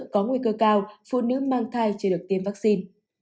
có nguy cơ cao phụ nữ mang thai chưa được tiêm vaccine